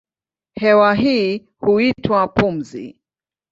Hewa hii huitwa pumzi.